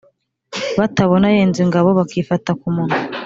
batabona yenze ingabo bakifata ku munwa.